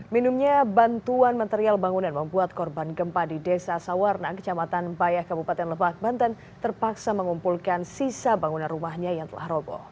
minumnya bantuan material bangunan membuat korban gempa di desa sawarna kecamatan bayah kabupaten lebak banten terpaksa mengumpulkan sisa bangunan rumahnya yang telah roboh